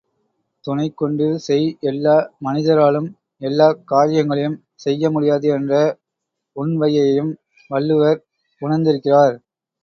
துணைகொண்டு செய் எல்லா மனிதராலும் எல்லாக் காரியங்களையும் செய்ய முடியாது என்ற உண்வையையும் வள்ளுவர் உணர்ந்திருக்கிறார்.